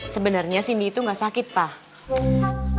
sebenernya cindy itu gak sampai sama si bobby kan